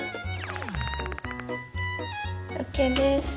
ＯＫです。